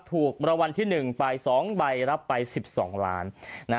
ถูกรางวัลที่๑ไป๒ใบรับไป๑๒ล้าน